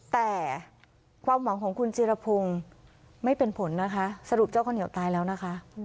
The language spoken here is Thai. แต่ความหวังของคุณจิรพงศ์ไม่เป็นผลนะคะสรุปเจ้าข้าวเหนียวตายแล้วนะคะ